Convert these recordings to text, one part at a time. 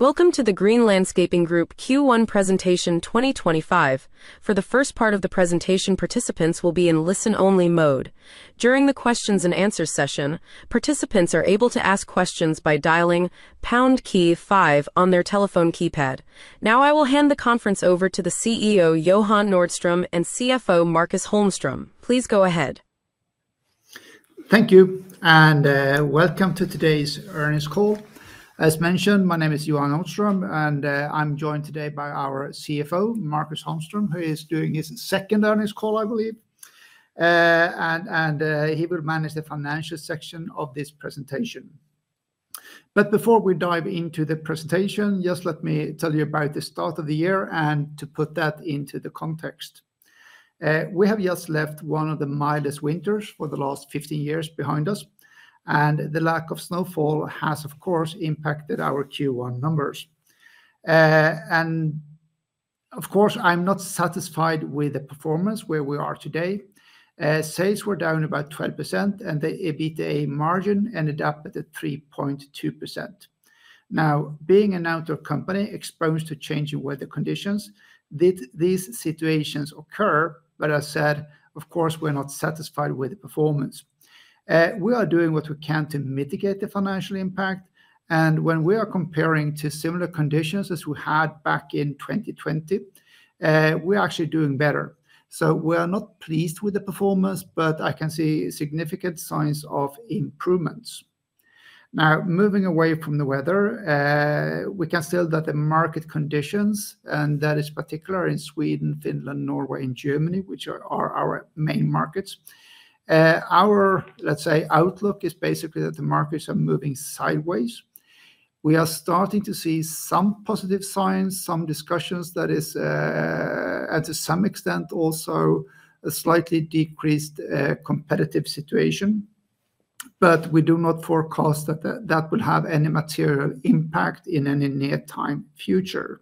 Welcome to the Green Landscaping Group Q1 Presentation 2025. For the first part of the presentation, participants will be in listen-only mode. During the Q&A session, participants are able to ask questions by dialing pound-key five on their telephone keypad. Now, I will hand the conference over to the CEO Johan Nordström and CFO Marcus Holmström. Please go ahead. Thank you, and welcome to today's earnings call. As mentioned, my name is Johan Nordström, and I'm joined today by our CFO, Marcus Holmström, who is doing his second earnings call, I believe. He will manage the financial section of this presentation. Before we dive into the presentation, just let me tell you about the start of the year and put that into context. We have just left one of the mildest winters for the last 15 years behind us, and the lack of snowfall has, of course, impacted our Q1 numbers. Of course, I'm not satisfied with the performance where we are today. Sales were down about 12%, and the EBITDA margin ended up at 3.2%. Now, being an outdoor company exposed to changing weather conditions, these situations occur. As I said, of course, we're not satisfied with the performance. We are doing what we can to mitigate the financial impact. When we are comparing to similar conditions as we had back in 2020, we're actually doing better. We are not pleased with the performance, but I can see significant signs of improvements. Now, moving away from the weather, we can still see the market conditions, and that is particular in Sweden, Finland, Norway, and Germany, which are our main markets. Our, let's say, outlook is basically that the markets are moving sideways. We are starting to see some positive signs, some discussions. That is, to some extent, also a slightly decreased competitive situation. We do not forecast that that will have any material impact in any near-time future.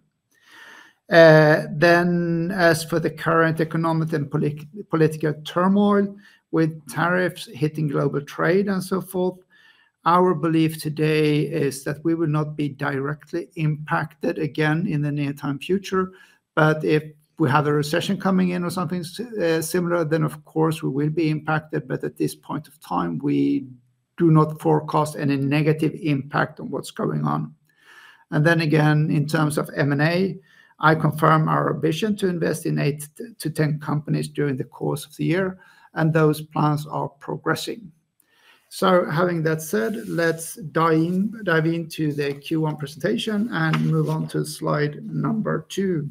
As for the current economic and political turmoil, with tariffs hitting global trade and so forth, our belief today is that we will not be directly impacted again in the near-time future. If we have a recession coming in or something similar, of course, we will be impacted. At this point of time, we do not forecast any negative impact on what is going on. In terms of M&A, I confirm our vision to invest in 8-10 companies during the course of the year, and those plans are progressing. Having that said, let's dive into the Q1 presentation and move on to slide number two.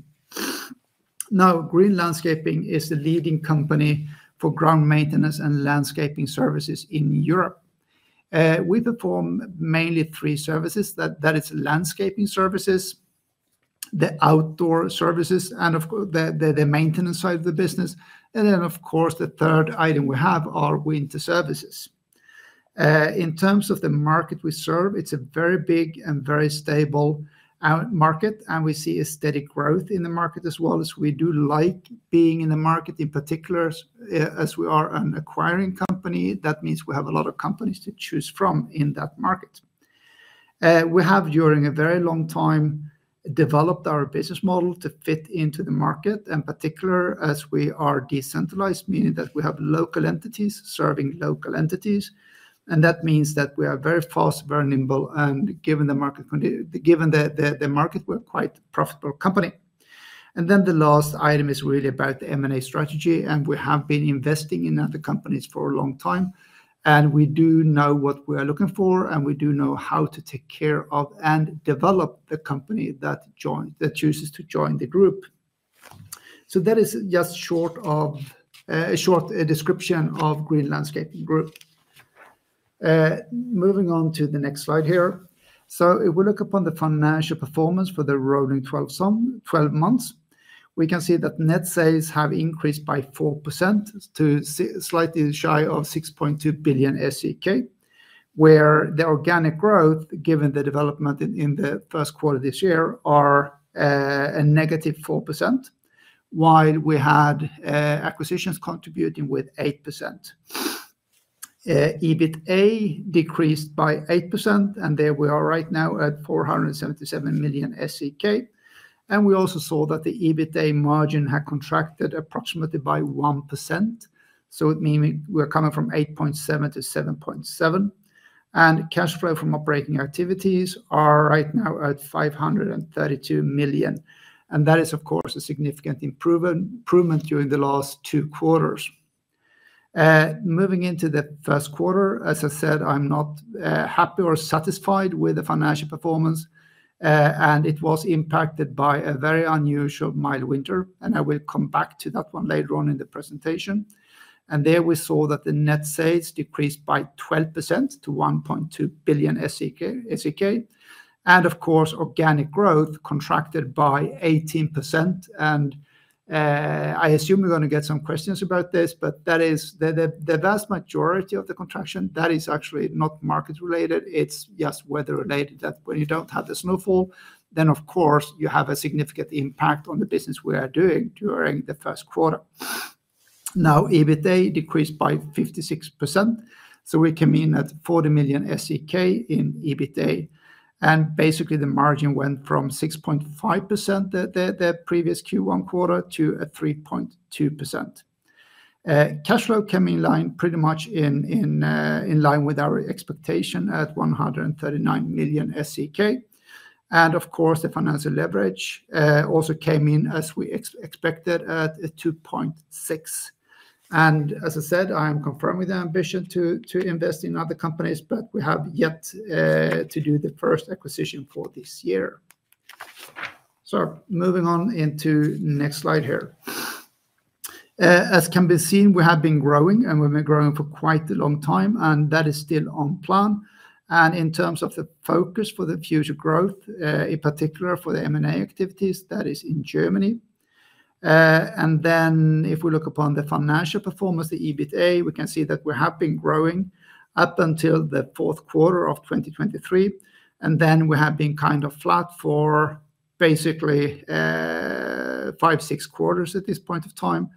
Now, Green Landscaping Group is the leading company for ground maintenance and landscaping services in Europe. We perform mainly three services. That is, landscaping services, the outdoor services, and, of course, the maintenance side of the business. The third item we have are winter services. In terms of the market we serve, it is a very big and very stable market, and we see a steady growth in the market as well. We do like being in the market, in particular, as we are an acquiring company. That means we have a lot of companies to choose from in that market. We have, during a very long time, developed our business model to fit into the market, in particular, as we are decentralized, meaning that we have local entities serving local entities. That means we are very fast, very nimble, and given the market, we are quite a profitable company. The last item is really about the M&A strategy, and we have been investing in other companies for a long time. We do know what we are looking for, and we do know how to take care of and develop the company that chooses to join the group. That is just a short description of Green Landscaping Group. Moving on to the next slide here. If we look upon the financial performance for the rolling 12 months, we can see that net sales have increased by 4% to slightly shy of 6.2 billion SEK, where the organic growth, given the development in the Q1 this year, is a negative 4%, while we had acquisitions contributing with 8%. EBITA decreased by 8%, and there we are right now at 477 million SEK. We also saw that the EBITA margin had contracted approximately by 1%, so it means we are coming from 8.7% to 7.7%. Cash flow from operating activities is right now at 532 million. That is, of course, a significant improvement during the last two quarters. Moving into the Q1, as I said, I'm not happy or satisfied with the financial performance, and it was impacted by a very unusual mild winter. I will come back to that one later on in the presentation. There we saw that the net sales decreased by 12% to 1.2 billion SEK. Of course, organic growth contracted by 18%. I assume we're going to get some questions about this, but that is the vast majority of the contraction. That is actually not market-related. It's just weather-related that when you don't have the snowfall, then, of course, you have a significant impact on the business we are doing during the Q1. Now, EBITA decreased by 56%, so we came in at SEK 40 million in EBITA. Basically, the margin went from 6.5% the previous Q1 quarter to 3.2%. Cash flow came in pretty much in line with our expectation at 139 million SEK. Of course, the financial leverage also came in as we expected at 2.6%. As I said, I'm confirmed with the ambition to invest in other companies, but we have yet to do the first acquisition for this year. Moving on into the next slide here. As can be seen, we have been growing, and we've been growing for quite a long time, and that is still on plan. In terms of the focus for the future growth, in particular for the M&A activities, that is in Germany. If we look upon the financial performance, the EBITA, we can see that we have been growing up until the Q4 of 2023. We have been kind of flat for basically five, six quarters at this point of time.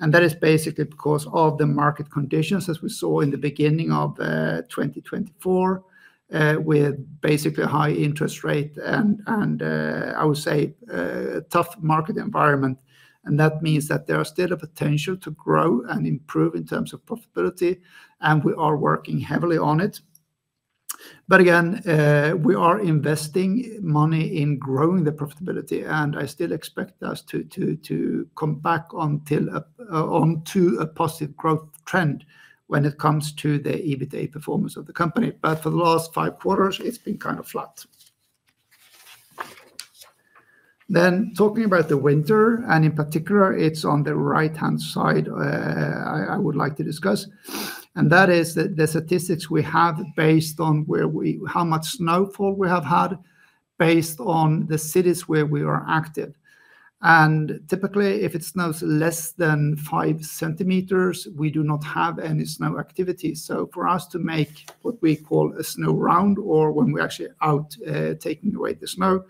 That is basically because of the market conditions, as we saw in the beginning of 2024, with basically a high interest rate and, I would say, a tough market environment. That means that there is still a potential to grow and improve in terms of profitability, and we are working heavily on it. Again, we are investing money in growing the profitability, and I still expect us to come back onto a positive growth trend when it comes to the EBITA performance of the company. For the last five quarters, it's been kind of flat. Talking about the winter, and in particular, it's on the right-hand side I would like to discuss. That is the statistics we have based on how much snowfall we have had based on the cities where we are active. Typically, if it snows less than 5 cm, we do not have any snow activity. For us to make what we call a snow round, or when we're actually out taking away the snow,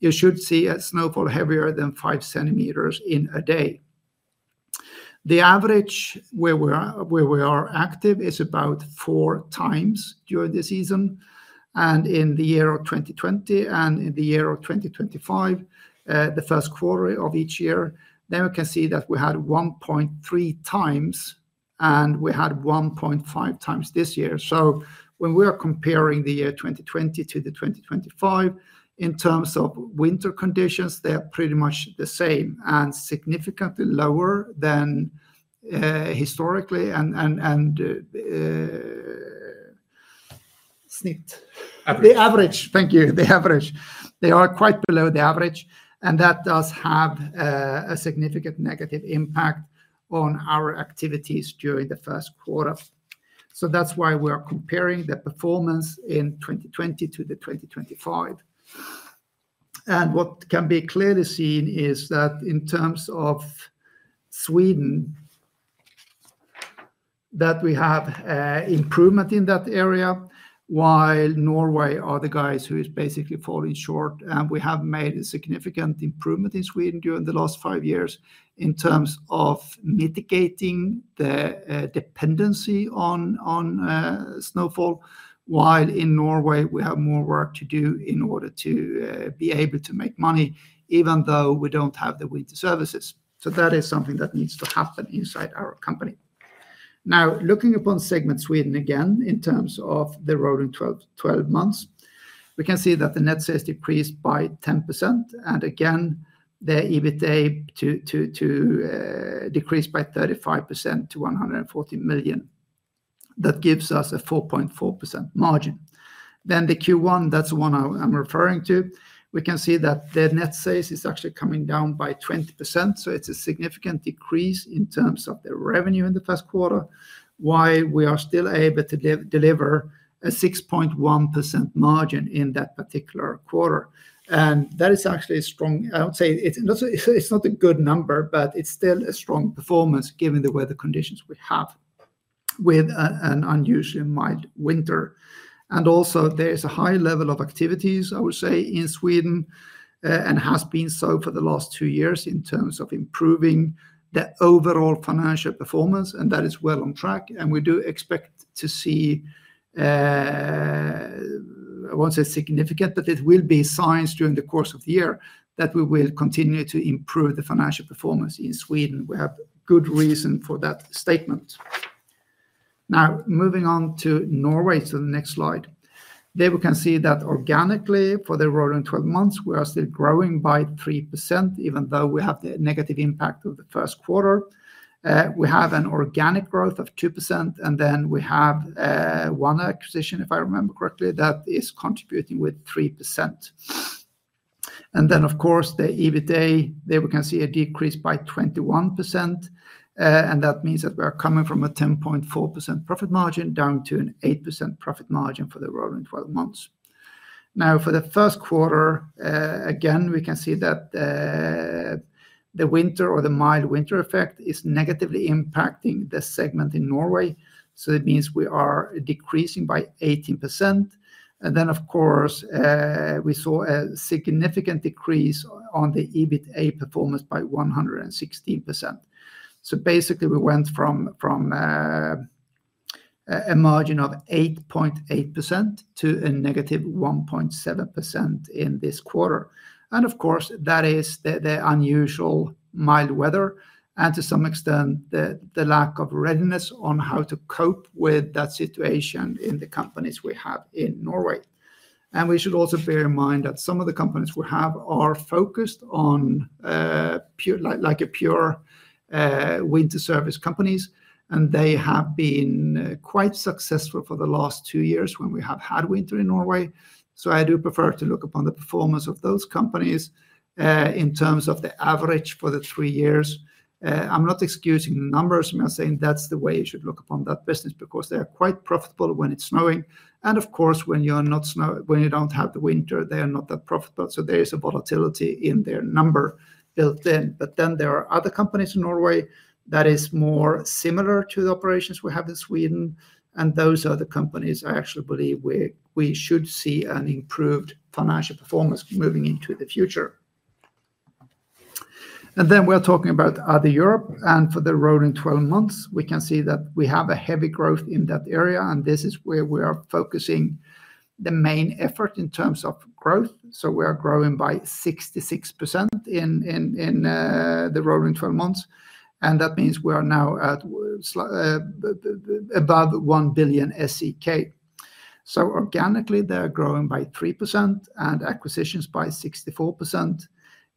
you should see a snowfall heavier than 5 cm in a day. The average where we are active is about four times during the season. In the year of 2020 and in the year of 2025, the Q1 of each year, we can see that we had 1.3 times, and we had 1.5 times this year. When we are comparing the year 2020 to 2025, in terms of winter conditions, they are pretty much the same and significantly lower than historically. The average. Average. Thank you. The average. They are quite below the average, and that does have a significant negative impact on our activities during the Q1. That is why we are comparing the performance in 2020 to 2025. What can be clearly seen is that in terms of Sweden, we have improvement in that area, while Norway are the guys who are basically falling short. We have made a significant improvement in Sweden during the last five years in terms of mitigating the dependency on snowfall, while in Norway, we have more work to do in order to be able to make money, even though we do not have the winter services. That is something that needs to happen inside our company. Now, looking upon segment Sweden again, in terms of the rolling 12 months, we can see that the net sales decreased by 10%. The EBITA decreased by 35% to 140 million. That gives us a 4.4% margin. The Q1, that's the one I'm referring to, we can see that the net sales is actually coming down by 20%. It is a significant decrease in terms of the revenue in the Q1, while we are still able to deliver a 6.1% margin in that particular quarter. That is actually a strong, I would say it's not a good number, but it's still a strong performance given the weather conditions we have with an unusually mild winter. Also, there is a high level of activities, I would say, in Sweden, and has been so for the last two years in terms of improving the overall financial performance. That is well on track. We do expect to see, I will not say significant, but it will be signs during the course of the year that we will continue to improve the financial performance in Sweden. We have good reason for that statement. Now, moving on to Norway, to the next slide. There we can see that organically, for the rolling 12 months, we are still growing by 3%, even though we have the negative impact of the Q1. We have an organic growth of 2%, and then we have one acquisition, if I remember correctly, that is contributing with 3%. Of course, the EBITA, there we can see a decrease by 21%. That means that we are coming from a 10.4% profit margin down to an 8% profit margin for the rolling 12 months. Now, for the Q1, again, we can see that the winter, or the mild winter effect, is negatively impacting the segment in Norway. It means we are decreasing by 18%. Of course, we saw a significant decrease on the EBITA performance by 116%. Basically, we went from a margin of 8.8% to a negative 1.7% in this quarter. Of course, that is the unusual mild weather, and to some extent, the lack of readiness on how to cope with that situation in the companies we have in Norway. We should also bear in mind that some of the companies we have are focused on like pure winter service companies, and they have been quite successful for the last two years when we have had winter in Norway. I do prefer to look upon the performance of those companies in terms of the average for the three years. I'm not excusing the numbers. I'm saying that's the way you should look upon that business because they are quite profitable when it's snowing. Of course, when you don't have the winter, they are not that profitable. There is a volatility in their number built in. There are other companies in Norway that are more similar to the operations we have in Sweden. Those are the companies I actually believe we should see an improved financial performance moving into the future. We are talking about Other Europe. For the rolling 12 months, we can see that we have a heavy growth in that area. This is where we are focusing the main effort in terms of growth. We are growing by 66% in the rolling 12 months. That means we are now above 1 billion SEK. Organically, they are growing by 3% and acquisitions by 64%.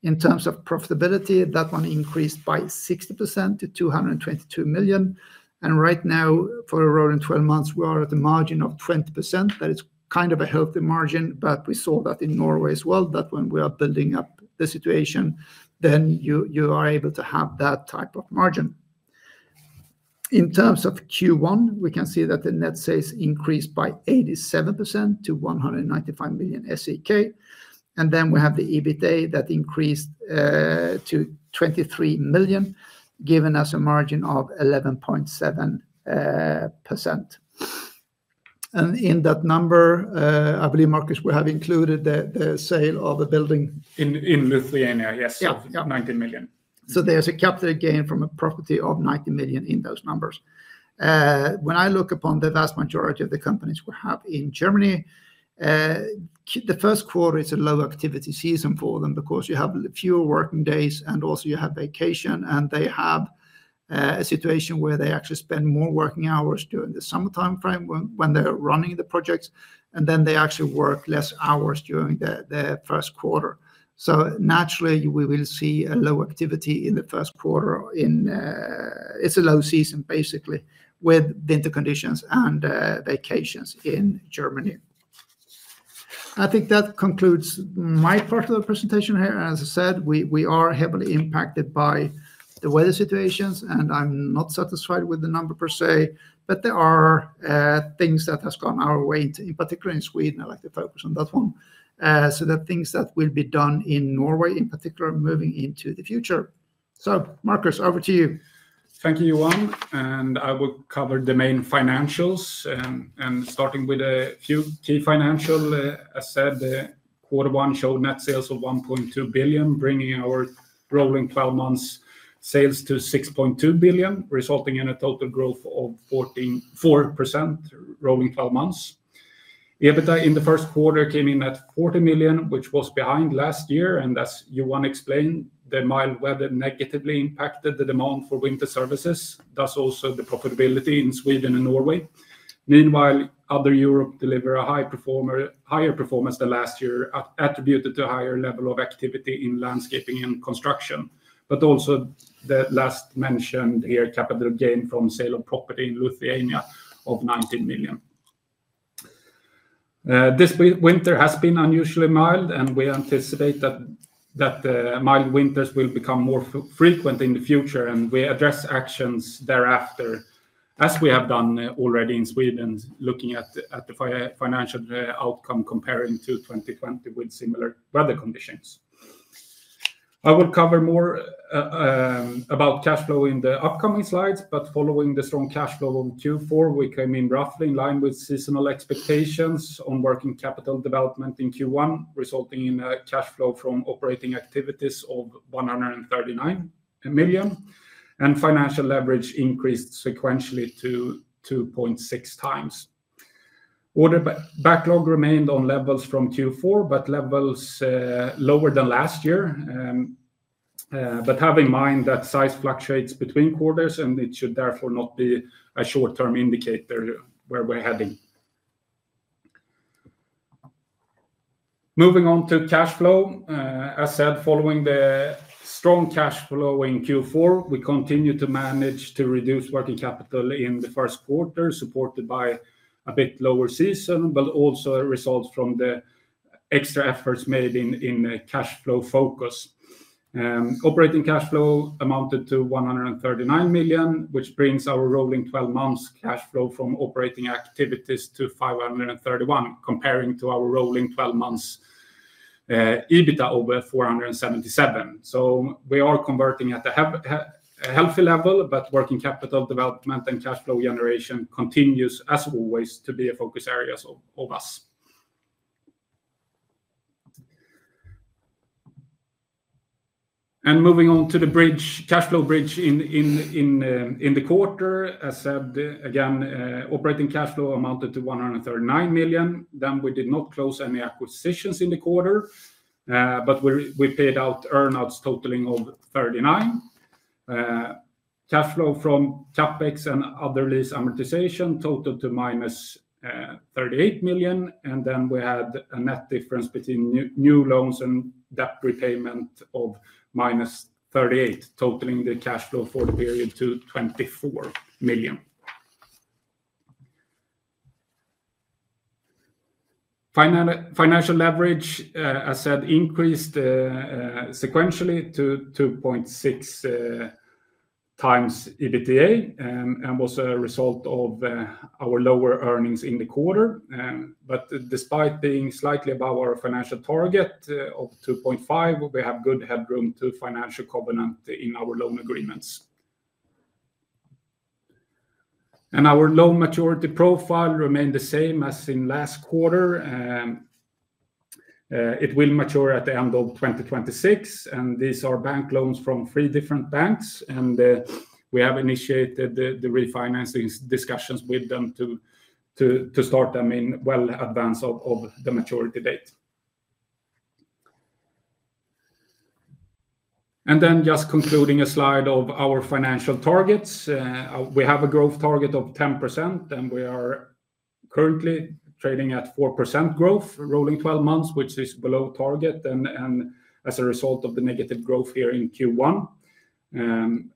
In terms of profitability, that one increased by 60% to 222 million. Right now, for the rolling 12 months, we are at a margin of 20%. That is kind of a healthy margin, but we saw that in Norway as well, that when we are building up the situation, then you are able to have that type of margin. In terms of Q1, we can see that the net sales increased by 87% to 195 million SEK. We have the EBITA that increased to 23 million, giving us a margin of 11.7%. In that number, I believe Marcus, we have included the sale of a building. In Lithuania, yes, of 19 million. There is a capital gain from a property of 19 million in those numbers. When I look upon the vast majority of the companies we have in Germany, the Q1 is a low activity season for them because you have fewer working days, and also you have vacation. They have a situation where they actually spend more working hours during the summertime frame when they're running the projects. Then they actually work fewer hours during the Q1. Naturally, we will see low activity in the Q1. It is a low season, basically, with winter conditions and vacations in Germany. I think that concludes my part of the presentation here. As I said, we are heavily impacted by the weather situations, and I'm not satisfied with the number per se, but there are things that have gone our way, in particular in Sweden. I'd like to focus on that one. The things that will be done in Norway, in particular, moving into the future. Marcus, over to you. Thank you, Johan. I will cover the main financials. Starting with a few key financials, as I said, quarter one showed net sales of 1.2 billion, bringing our rolling 12 months sales to 6.2 billion, resulting in a total growth of 14.4% rolling 12 months. EBITA in the Q1 came in at 40 million, which was behind last year. As Johan explained, the mild weather negatively impacted the demand for winter services, thus also the profitability in Sweden and Norway. Meanwhile, Other Europe delivered a higher performance than last year, attributed to a higher level of activity in landscaping and construction. Also, the last mentioned here, capital gain from sale of property in Lithuania of 19 million. This winter has been unusually mild, and we anticipate that mild winters will become more frequent in the future. We address actions thereafter, as we have done already in Sweden, looking at the financial outcome comparing to 2020 with similar weather conditions. I will cover more about cash flow in the upcoming slides. Following the strong cash flow in Q4, we came in roughly in line with seasonal expectations on working capital development in Q1, resulting in a cash flow from operating activities of 139 million. Financial leverage increased sequentially to 2.6 times. Order backlog remained on levels from Q4, but levels lower than last year. Have in mind that size fluctuates between quarters, and it should therefore not be a short-term indicator where we are heading. Moving on to cash flow. As I said, following the strong cash flow in Q4, we continue to manage to reduce working capital in the Q1, supported by a bit lower season, but also results from the extra efforts made in cash flow focus. Operating cash flow amounted to 139 million, which brings our rolling 12 months cash flow from operating activities to 531 million, comparing to our rolling 12 months EBITA over 477 million. We are converting at a healthy level, but working capital development and cash flow generation continues, as always, to be a focus area of us. Moving on to the bridge, cash flow bridge in the quarter. As I said, again, operating cash flow amounted to 139 million. We did not close any acquisitions in the quarter, but we paid out earnings totaling 39 million. Cash flow from CapEx and other lease amortization totaled to minus 38 million. We had a net difference between new loans and debt repayment of minus 38 million, totaling the cash flow for the period to 24 million. Financial leverage, as I said, increased sequentially to 2.6 times EBITA and was a result of our lower earnings in the quarter. Despite being slightly above our financial target of 2.5%, we have good headroom to financial covenant in our loan agreements. Our loan maturity profile remained the same as in last quarter. It will mature at the end of 2026. These are bank loans from three different banks. We have initiated the refinancing discussions with them to start them well in advance of the maturity date. Just concluding a slide of our financial targets. We have a growth target of 10%, and we are currently trading at 4% growth rolling 12 months, which is below target and as a result of the negative growth here in Q1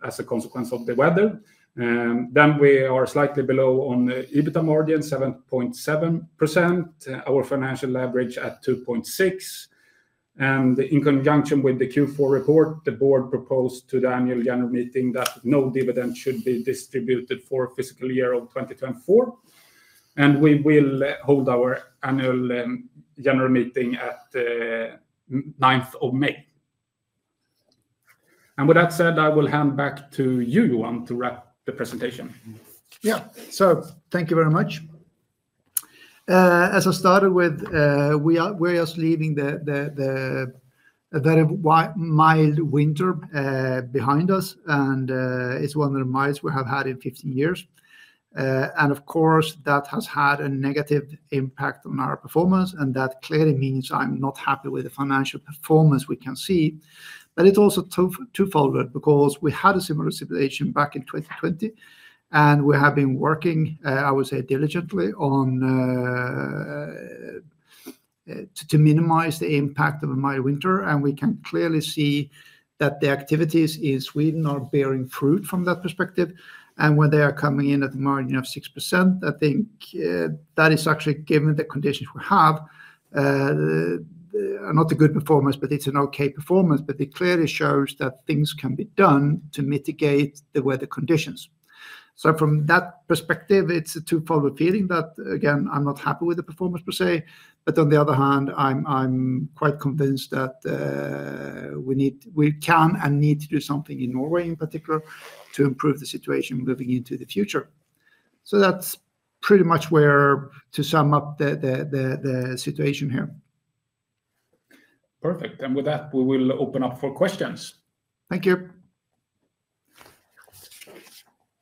as a consequence of the weather. We are slightly below on the EBITA margin, 7.7%, our financial leverage at 2.6%. In conjunction with the Q4 report, the board proposed to the annual general meeting that no dividend should be distributed for fiscal year of 2024. We will hold our annual general meeting at 9th of May. With that said, I will hand back to you, Johan, to wrap the presentation. Thank you very much. As I started with, we are just leaving that mild winter behind us. It is one of the mildest we have had in 15 years. Of course, that has had a negative impact on our performance. That clearly means I am not happy with the financial performance we can see. It is also twofold because we had a similar situation back in 2020. We have been working, I would say, diligently to minimize the impact of a mild winter. We can clearly see that the activities in Sweden are bearing fruit from that perspective. When they are coming in at a margin of 6%, I think that is actually, given the conditions we have, not a good performance, but it is an okay performance. It clearly shows that things can be done to mitigate the weather conditions. From that perspective, it's a twofold feeling that, again, I'm not happy with the performance per se. On the other hand, I'm quite convinced that we can and need to do something in Norway, in particular, to improve the situation moving into the future. That's pretty much where to sum up the situation here. Perfect. With that, we will open up for questions. Thank you.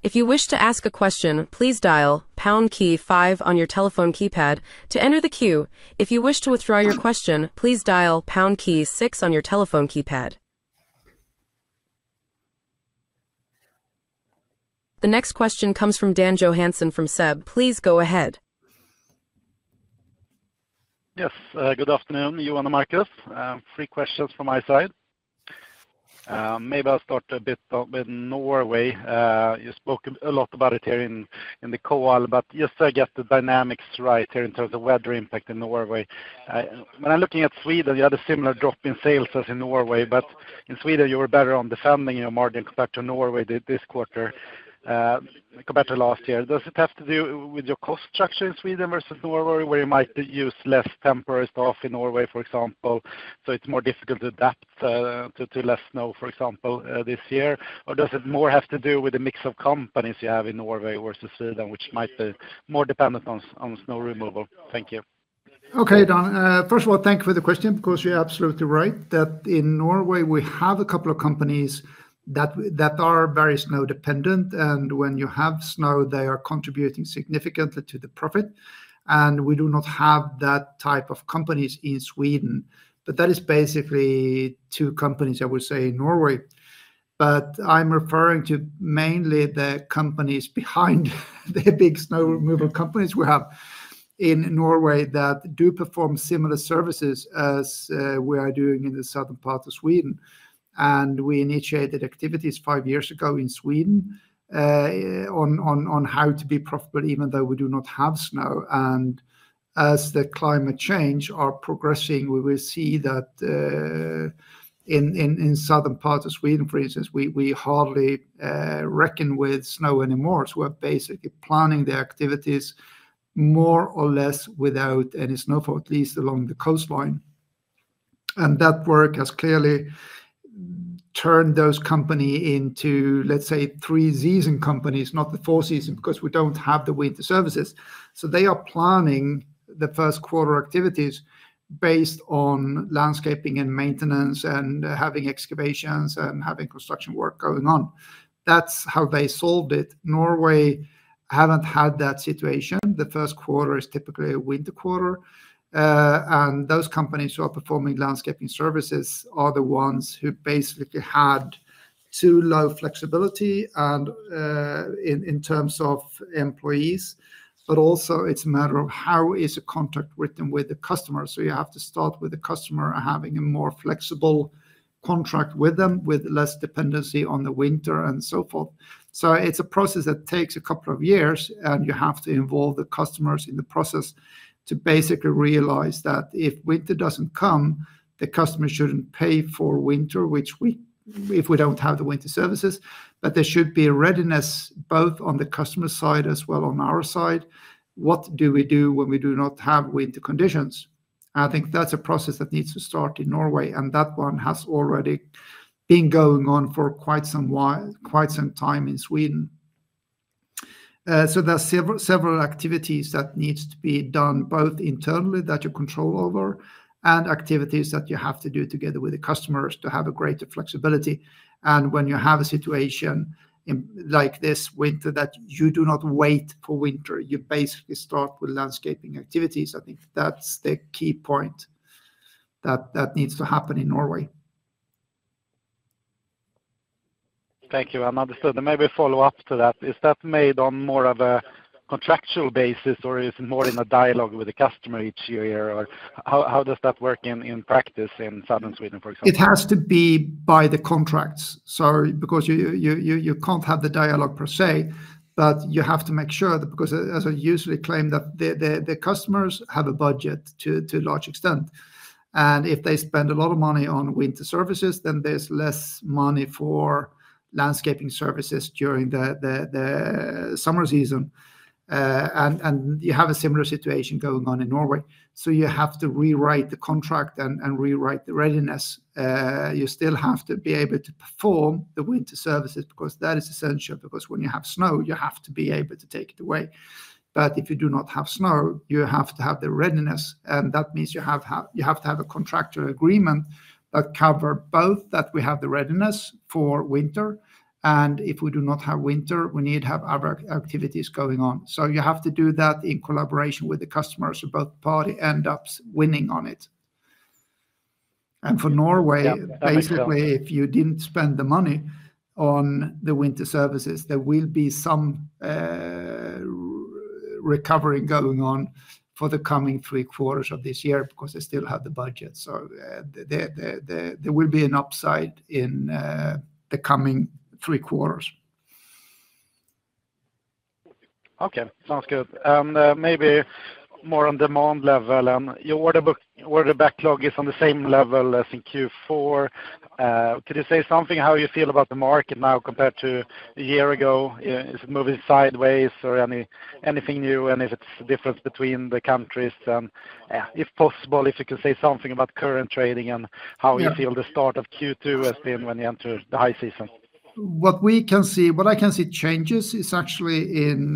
If you wish to ask a question, please dial pound key five on your telephone keypad to enter the queue. If you wish to withdraw your question, please dial pound key six on your telephone keypad. The next question comes from Dan Johansson from SEB. Please go ahead. Yes, good afternoon, Johan and Marcus. Three questions from my side. Maybe I'll start a bit with Norway. You spoke a lot about it here in the call, but you said I get the dynamics right here in terms of weather impact in Norway. When I'm looking at Sweden, you had a similar drop in sales as in Norway. In Sweden, you were better on defending your margin compared to Norway this quarter compared to last year. Does it have to do with your cost structure in Sweden versus Norway, where you might use less temporary staff in Norway, for example? It is more difficult to adapt to less snow, for example, this year. Or does it more have to do with the mix of companies you have in Norway versus Sweden, which might be more dependent on snow removal? Thank you. Okay, Dan. First of all, thank you for the question because you're absolutely right that in Norway, we have a couple of companies that are very snow-dependent. When you have snow, they are contributing significantly to the profit. We do not have that type of companies in Sweden. That is basically two companies, I would say, in Norway. I'm referring to mainly the companies behind the big snow removal companies we have in Norway that do perform similar services as we are doing in the southern part of Sweden. We initiated activities five years ago in Sweden on how to be profitable, even though we do not have snow. As the climate changes are progressing, we will see that in the southern part of Sweden, for instance, we hardly reckon with snow anymore. We're basically planning the activities more or less without any snow, at least along the coastline. That work has clearly turned those companies into, let's say, three-season companies, not the four-season, because we don't have the winter services. They are planning the Q1 activities based on landscaping and maintenance and having excavations and having construction work going on. That's how they solved it. Norway hasn't had that situation. The Q1 is typically a winter quarter. Those companies who are performing landscaping services are the ones who basically had too low flexibility in terms of employees. Also, it's a matter of how the contract is written with the customer. You have to start with the customer having a more flexible contract with them, with less dependency on the winter and so forth. It's a process that takes a couple of years. You have to involve the customers in the process to basically realize that if winter does not come, the customer should not pay for winter, which we if we do not have the winter services. There should be a readiness both on the customer side as well as on our side. What do we do when we do not have winter conditions? I think that is a process that needs to start in Norway. That one has already been going on for quite some time in Sweden. There are several activities that need to be done both internally that you control over and activities that you have to do together with the customers to have greater flexibility. When you have a situation like this winter that you do not wait for winter, you basically start with landscaping activities. I think that's the key point that needs to happen in Norway. Thank you. I understood. Maybe a follow-up to that. Is that made on more of a contractual basis, or is it more in a dialogue with the customer each year? How does that work in practice in southern Sweden, for example? It has to be by the contracts. Sorry, because you can't have the dialogue per se. You have to make sure that, because as I usually claim, the customers have a budget to a large extent. If they spend a lot of money on winter services, then there's less money for landscaping services during the summer season. You have a similar situation going on in Norway. You have to rewrite the contract and rewrite the readiness. You still have to be able to perform the winter services because that is essential. When you have snow, you have to be able to take it away. If you do not have snow, you have to have the readiness. That means you have to have a contractual agreement that covers both, that we have the readiness for winter. If we do not have winter, we need to have other activities going on. You have to do that in collaboration with the customers so both parties end up winning on it. For Norway, basically, if you did not spend the money on the winter services, there will be some recovery going on for the coming three quarters of this year because they still have the budget. There will be an upside in the coming three quarters. Okay, sounds good. Maybe more on demand level. Your order backlog is on the same level as in Q4. Could you say something about how you feel about the market now compared to a year ago? Is it moving sideways or anything new? If it's a difference between the countries, if possible, could you say something about current trading and how you feel the start of Q2 has been when you enter the high season. What we can see, what I can see changes is actually in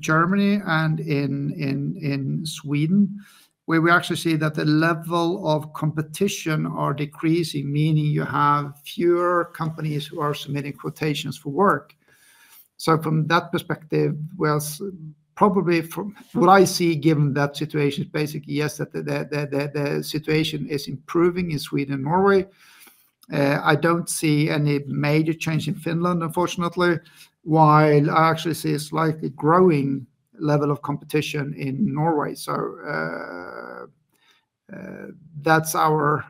Germany and in Sweden, where we actually see that the level of competition is decreasing, meaning you have fewer companies who are submitting quotations for work. From that perspective, probably what I see given that situation is basically, yes, that the situation is improving in Sweden and Norway. I do not see any major change in Finland, unfortunately, while I actually see a slightly growing level of competition in Norway. That is our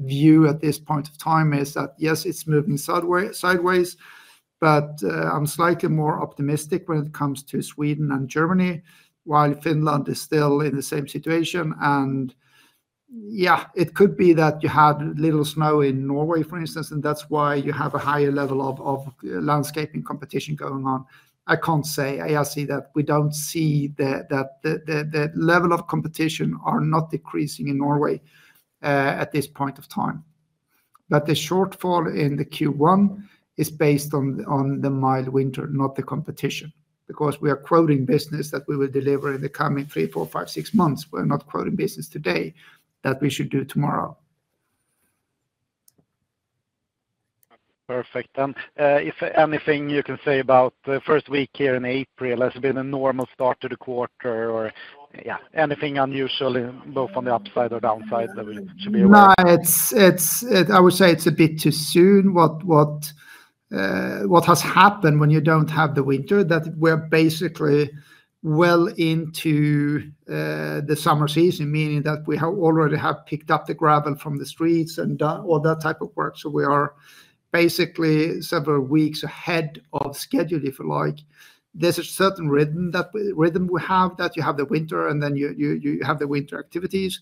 view at this point of time, that yes, it is moving sideways. I am slightly more optimistic when it comes to Sweden and Germany, while Finland is still in the same situation. And yeah, it could be that you have little snow in Norway, for instance, and that is why you have a higher level of landscaping competition going on. I cannot say. I see that we do not see that the level of competition is not decreasing in Norway at this point of time. The shortfall in the Q1 is based on the mild winter, not the competition, because we are quoting business that we will deliver in the coming three, four, five, six months. We are not quoting business today that we should do tomorrow. Perfect. If anything you can say about the first week here in April, has it been a normal start to the quarter or anything unusual, both on the upside or downside that we should be aware of? No, I would say it's a bit too soon. What has happened when you don't have the winter is that we're basically well into the summer season, meaning that we already have picked up the gravel from the streets and done all that type of work. We are basically several weeks ahead of schedule, if you like. There's a certain rhythm that we have that you have the winter, and then you have the winter activities.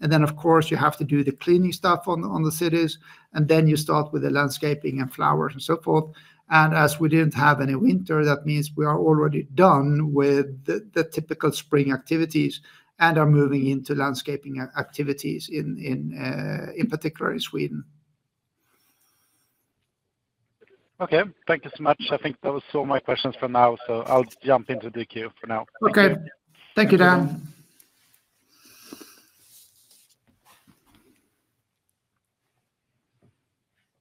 Of course, you have to do the cleaning stuff on the cities. You start with the landscaping and flowers and so forth. As we didn't have any winter, that means we are already done with the typical spring activities and are moving into landscaping activities in particular in Sweden. Okay, thank you so much. I think those are all my questions for now. I'll jump into the queue for now. Okay, thank you, Dan.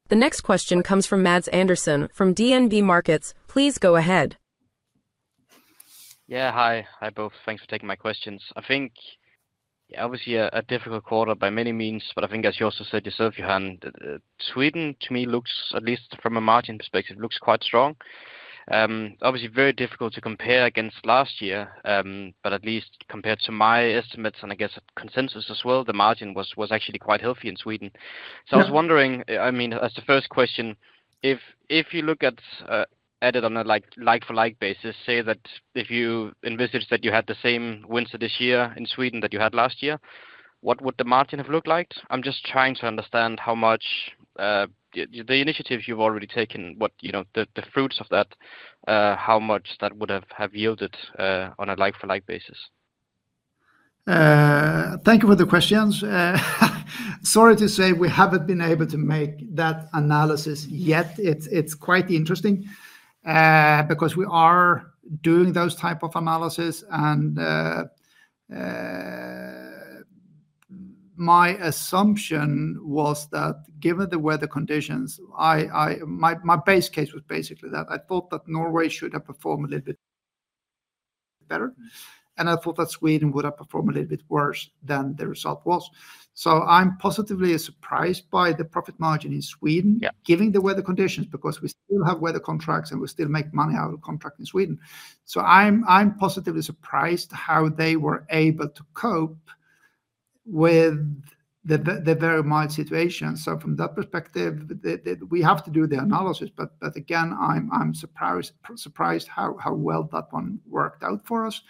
The next question comes from Matts Andersson from DNB Markets. Please go ahead. Yeah, hi. Hi both. Thanks for taking my questions. I think, yeah, obviously a difficult quarter by many means. I think, as you also said, yourself, Johan, Sweden, to me, looks, at least from a margin perspective, looks quite strong. Obviously, very difficult to compare against last year. At least compared to my estimates and, I guess, consensus as well, the margin was actually quite healthy in Sweden. I was wondering, I mean, as the first question, if you look at it on a like-for-like basis, say that if you envisaged that you had the same winter this year in Sweden that you had last year, what would the margin have looked like? I'm just trying to understand how much the initiatives you've already taken, the fruits of that, how much that would have yielded on a like-for-like basis. Thank you for the questions. Sorry to say we haven't been able to make that analysis yet. It's quite interesting because we are doing those types of analysis. My assumption was that, given the weather conditions, my base case was basically that I thought that Norway should have performed a little bit better. I thought that Sweden would have performed a little bit worse than the result was. I'm positively surprised by the profit margin in Sweden, given the weather conditions, because we still have weather contracts and we still make money out of contract in Sweden. I'm positively surprised how they were able to cope with the very mild situation. From that perspective, we have to do the analysis. Again, I'm surprised how well that one worked out for us.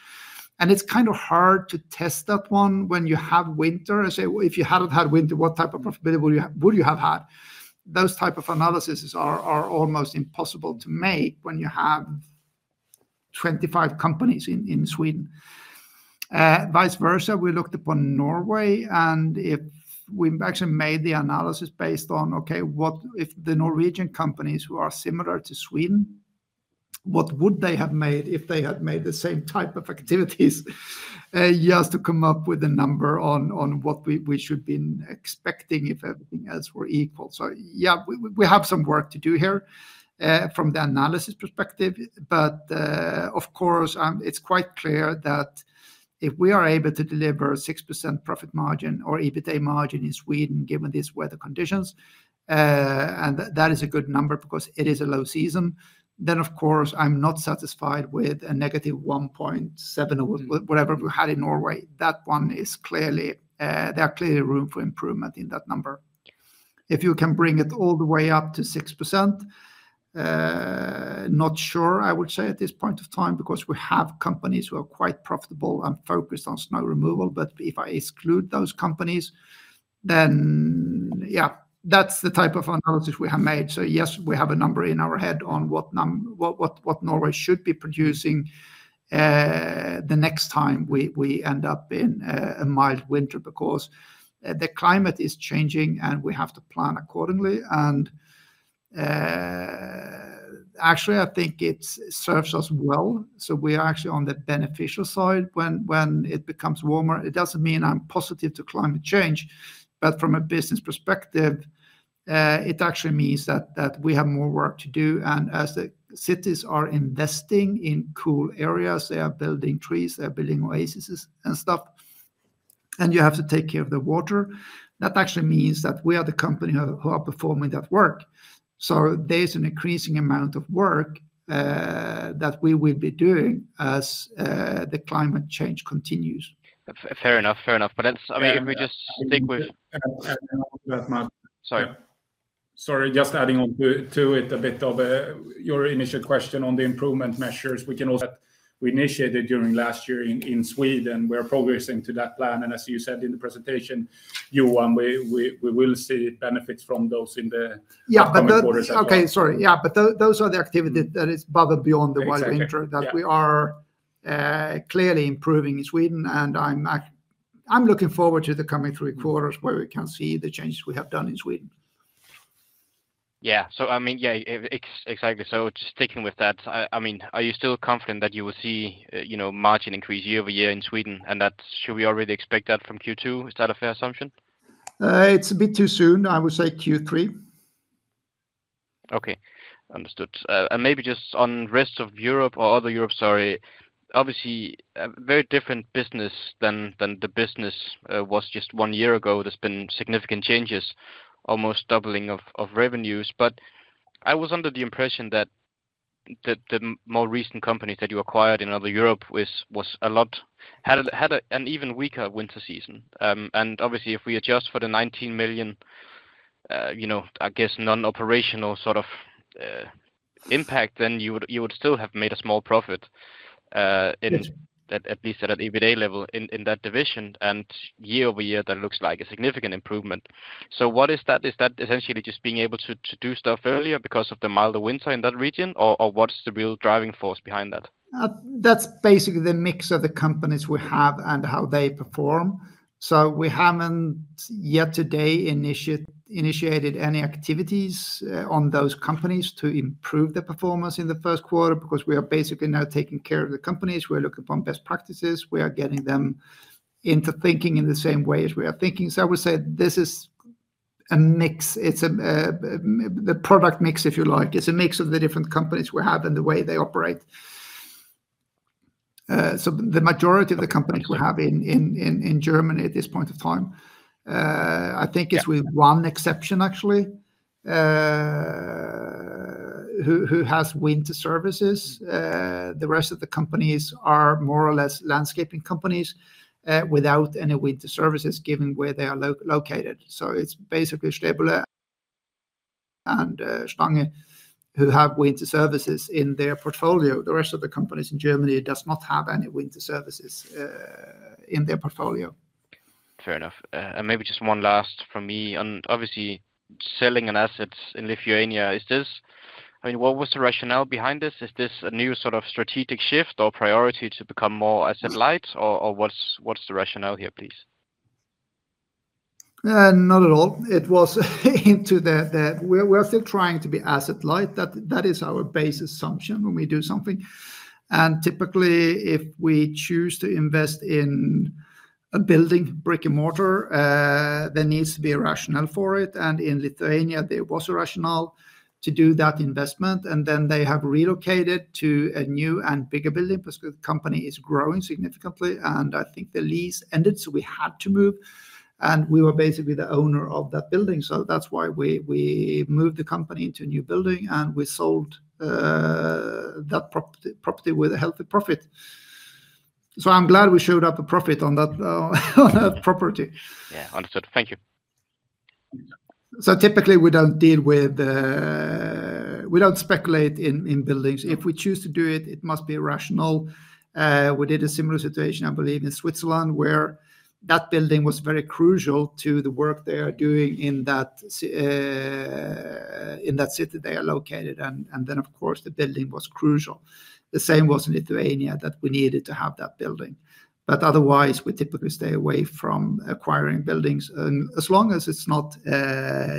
It's kind of hard to test that one when you have winter. If you hadn't had winter, what type of profitability would you have had? Those types of analyses are almost impossible to make when you have 25 companies in Sweden. Vice versa, we looked upon Norway. If we actually made the analysis based on, okay, if the Norwegian companies who are similar to Sweden, what would they have made if they had made the same type of activities just to come up with a number on what we should have been expecting if everything else were equal? Yeah, we have some work to do here from the analysis perspective. Of course, it's quite clear that if we are able to deliver a 6% profit margin or EBITDA margin in Sweden given these weather conditions, and that is a good number because it is a low season, I am not satisfied with a negative 1.7% or whatever we had in Norway. That one is clearly, there is clearly room for improvement in that number. If you can bring it all the way up to 6%, not sure, I would say, at this point of time, because we have companies who are quite profitable and focused on snow removal. If I exclude those companies, then yeah, that's the type of analysis we have made. Yes, we have a number in our head on what Norway should be producing the next time we end up in a mild winter because the climate is changing and we have to plan accordingly. Actually, I think it serves us well. We are actually on the beneficial side when it becomes warmer. It does not mean I am positive to climate change. From a business perspective, it actually means that we have more work to do. As the cities are investing in cool areas, they are building trees, they are building oases and stuff. You have to take care of the water. That actually means that we are the company who are performing that work. There is an increasing amount of work that we will be doing as the climate change continues. Fair enough, fair enough. I mean, if we just stick with. Sorry, just adding on to it a bit of your initial question on the improvement measures. We can. That we initiated during last year in Sweden, we are progressing to that plan. As you said in the presentation, Johan, we will see benefits from those in the coming quarters. Yeah, okay, sorry. Yeah, those are the activities that are above and beyond the mild winter that we are clearly improving in Sweden. I am looking forward to the coming three quarters where we can see the changes we have done in Sweden. Yeah, I mean, yeah, exactly. Just sticking with that, I mean, are you still confident that you will see margin increase year over year in Sweden? Should we already expect that from Q2? Is that a fair assumption? It's a bit too soon. I would say Q3. Okay, understood. Maybe just on rest of Europe or Other Europe, sorry, obviously a very different business than the business was just one year ago. There have been significant changes, almost doubling of revenues. I was under the impression that the more recent companies that you acquired in Other Europe had an even weaker winter season. Obviously, if we adjust for the 19 million, I guess, non-operational sort of impact, then you would still have made a small profit, at least at an EBITDA level in that division. Year over year, that looks like a significant improvement. What is that? Is that essentially just being able to do stuff earlier because of the milder winter in that region? What's the real driving force behind that? That's basically the mix of the companies we have and how they perform. We haven't yet today initiated any activities on those companies to improve the performance in Q1 because we are basically now taking care of the companies. We're looking for best practices. We are getting them into thinking in the same way as we are thinking. I would say this is a mix. It's the product mix, if you like. It's a mix of the different companies we have and the way they operate. The majority of the companies we have in Germany at this point of time, I think it's with one exception, actually, who has winter services. The rest of the companies are more or less landscaping companies without any winter services given where they are located. It's basically Stäbler and Stange who have winter services in their portfolio. The rest of the companies in Germany do not have any winter services in their portfolio. Fair enough. Maybe just one last from me. Obviously, selling an asset in Lithuania, is this, I mean, what was the rationale behind this? Is this a new sort of strategic shift or priority to become more asset-light? What's the rationale here, please? Not at all. It was aimed to that. We're still trying to be asset-light. That is our base assumption when we do something. Typically, if we choose to invest in a building, brick and mortar, there needs to be a rationale for it. In Lithuania, there was a rationale to do that investment. They have relocated to a new and bigger building because the company is growing significantly. I think the lease ended, so we had to move. We were basically the owner of that building. That is why we moved the company into a new building. We sold that property with a healthy profit. I'm glad we showed up a profit on that property. Yeah, understood. Thank you. Typically, we do not deal with, we do not speculate in buildings. If we choose to do it, it must be a rationale. We did a similar situation, I believe, in Switzerland, where that building was very crucial to the work they are doing in that city they are located. The building was crucial. The same was in Lithuania, that we needed to have that building. Otherwise, we typically stay away from acquiring buildings. As long as it is not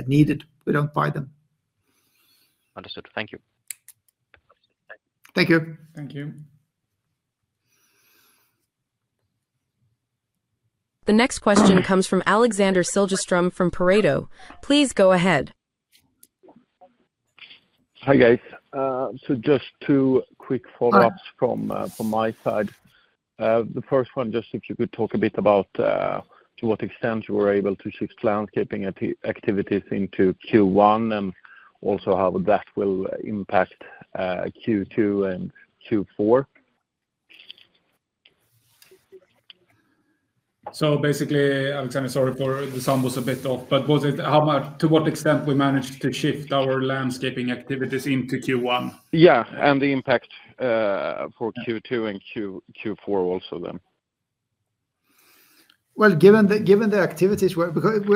needed, we do not buy them. Understood. Thank you. Thank you. Thank you. The next question comes from Alexander Siljeström from Pareto. Please go ahead. Hi guys. Just two quick follow-ups from my side. The first one, just if you could talk a bit about to what extent you were able to shift landscaping activities into Q1 and also how that will impact Q2 and Q4. Basically, Alexander, sorry for the sound was a bit off, but was it to what extent we managed to shift our landscaping activities into Q1? Yeah, and the impact for Q2 and Q4 also then. Given the activities,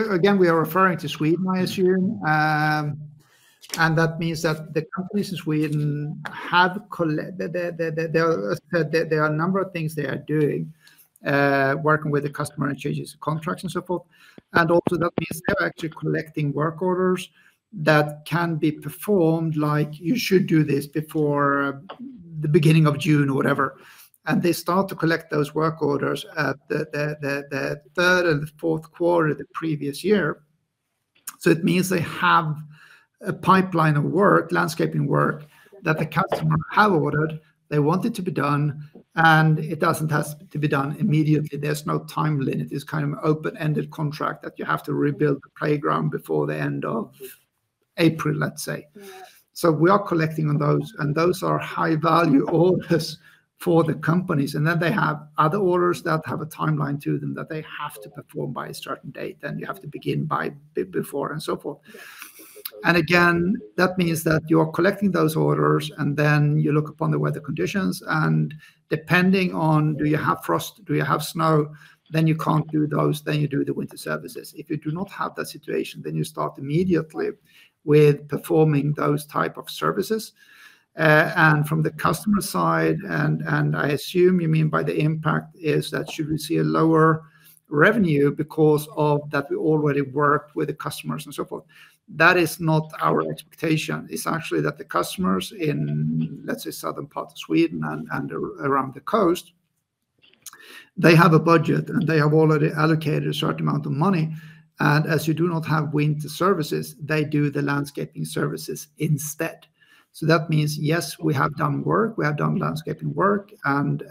again, we are referring to Sweden, I assume. That means that the companies in Sweden have collected, there are a number of things they are doing, working with the customer and changes in contracts and so forth. That also means they are actually collecting work orders that can be performed like, "You should do this before the beginning of June," or whatever. They start to collect those work orders at the third and the Q4 of the previous year. It means they have a pipeline of work, landscaping work that the customer has ordered. They want it to be done, and it does not have to be done immediately. There is no time limit. It is kind of an open-ended contract that you have to rebuild the playground before the end of April, let's say. We are collecting on those. Those are high-value orders for the companies. They have other orders that have a timeline to them that they have to perform by a certain date. You have to begin by before and so forth. That means that you are collecting those orders, and then you look upon the weather conditions. Depending on, do you have frost, do you have snow, then you cannot do those. You do the winter services. If you do not have that situation, you start immediately with performing those types of services. From the customer side, and I assume you mean by the impact, is that should we see a lower revenue because of that we already worked with the customers and so forth. That is not our expectation. It's actually that the customers in, let's say, southern parts of Sweden and around the coast, they have a budget, and they have already allocated a certain amount of money. As you do not have winter services, they do the landscaping services instead. That means, yes, we have done work. We have done landscaping work, and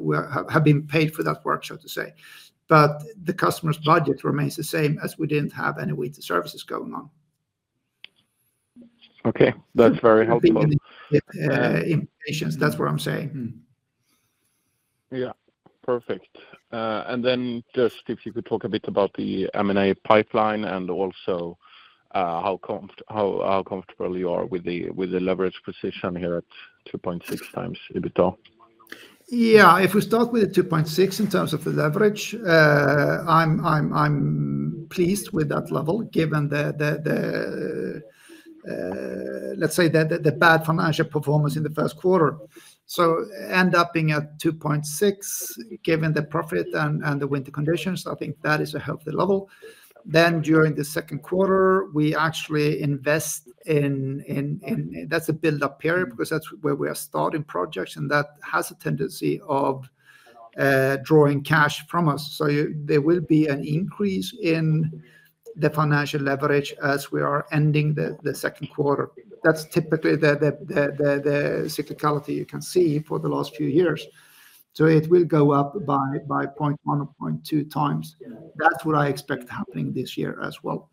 we have been paid for that work, so to say. The customer's budget remains the same as we didn't have any winter services going on. Okay, that's very helpful. That's what I'm saying. Yeah, perfect. If you could talk a bit about the M&A pipeline and also how comfortable you are with the leverage position here at 2.6 times EBITDA. Yeah, if we start with the 2.6 in terms of the leverage, I'm pleased with that level given the, let's say, the bad financial performance in the Q1. To end up being at 2.6 given the profit and the winter conditions, I think that is a healthy level. During the second quarter, we actually invest in, that's a build-up period because that's where we are starting projects, and that has a tendency of drawing cash from us. There will be an increase in the financial leverage as we are ending the Q2. That is typically the cyclicality you can see for the last few years. It will go up by 0.1-0.2 times. That is what I expect happening this year as well.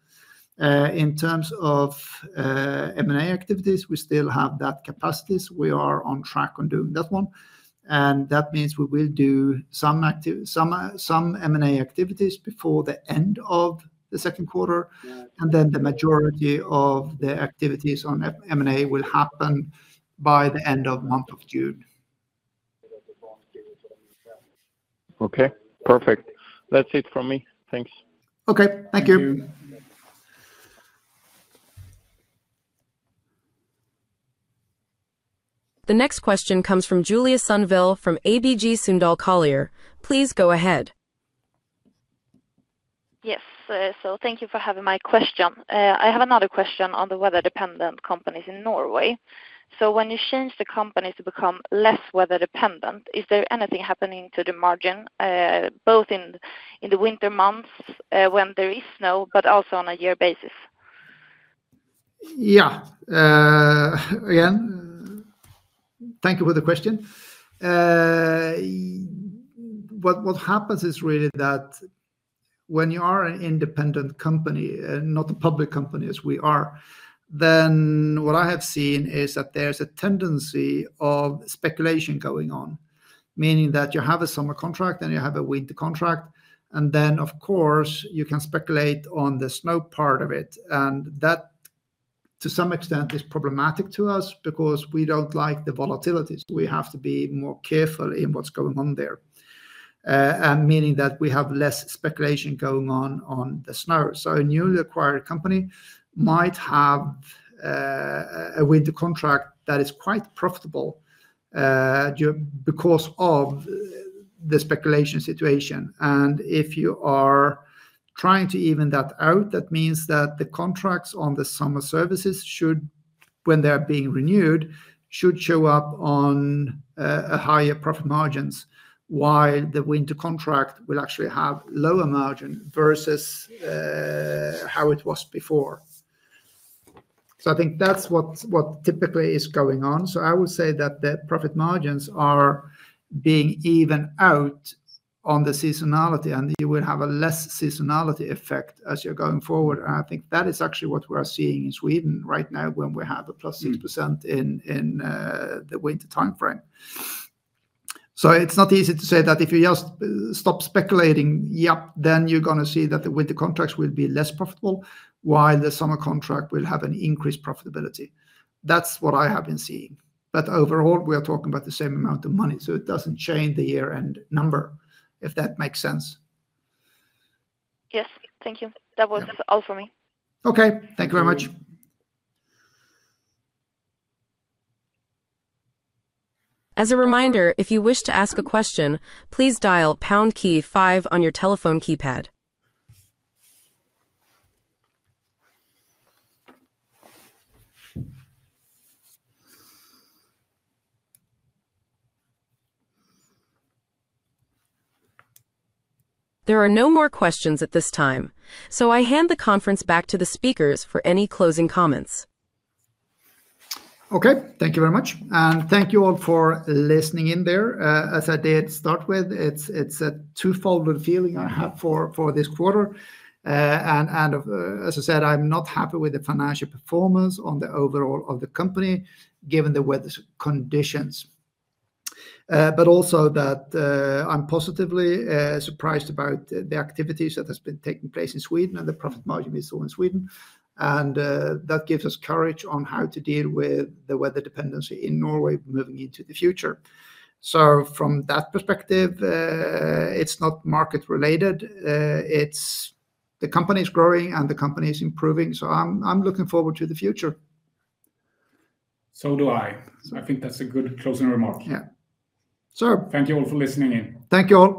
In terms of M&A activities, we still have that capacity. We are on track on doing that one. That means we will do some M&A activities before the end of the Q2. The majority of the activities on M&A will happen by the end of the month of June. Okay, perfect. That's it from me. Thanks. Okay, thank you. The next question comes from Julia Sundvall from ABG Sundal Collier. Please go ahead. Yes, thank you for having my question. I have another question on the weather-dependent companies in Norway. When you change the companies to become less weather-dependent, is there anything happening to the margin, both in the winter months when there is snow, but also on a year basis? Yeah, again, thank you for the question. What happens is really that when you are an independent company, not a public company as we are, what I have seen is that there's a tendency of speculation going on, meaning that you have a summer contract and you have a winter contract. Of course, you can speculate on the snow part of it. That, to some extent, is problematic to us because we do not like the volatilities. We have to be more careful in what's going on there, meaning that we have less speculation going on on the snow. A newly acquired company might have a winter contract that is quite profitable because of the speculation situation. If you are trying to even that out, that means that the contracts on the summer services, when they're being renewed, should show up on higher profit margins, while the winter contract will actually have lower margin versus how it was before. I think that's what typically is going on. I would say that the profit margins are being evened out on the seasonality, and you will have a less seasonality effect as you are going forward. I think that is actually what we are seeing in Sweden right now when we have a +6% in the winter time frame. It is not easy to say that if you just stop speculating, yep, then you are going to see that the winter contracts will be less profitable, while the summer contract will have an increased profitability. That is what I have been seeing. Overall, we are talking about the same amount of money. It does not change the year-end number, if that makes sense. Yes, thank you. That was all for me. Okay, thank you very much. As a reminder, if you wish to ask a question, please dial pound key five on your telephone keypad. There are no more questions at this time, so I hand the conference back to the speakers for any closing comments. Okay, thank you very much. Thank you all for listening in there. As I did start with, it's a twofold feeling I have for this quarter. As I said, I'm not happy with the financial performance on the overall of the company given the weather conditions. I am also positively surprised about the activities that have been taking place in Sweden and the profit margin is so in Sweden. That gives us courage on how to deal with the weather dependency in Norway moving into the future. From that perspective, it's not market-related. The company is growing and the company is improving. I am looking forward to the future. I think that's a good closing remark. Yeah. Thank you all for listening in. Thank you all.